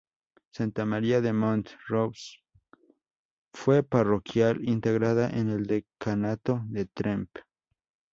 Santa María de Mont-ros fue parroquial, integrada en el Decanato de Tremp.